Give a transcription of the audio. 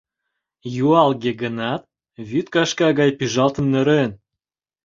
Юалге гынат, вӱд кашка гай пӱжалтын нӧрен.